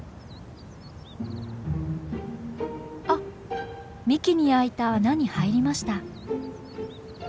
あっ幹に開いた穴に入りました。